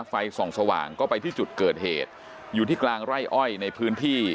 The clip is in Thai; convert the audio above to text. ไฟส่องสว่างก็ไปที่จุดเกิดเหตุอยู่ที่กลางไร่อ้อยในพื้นที่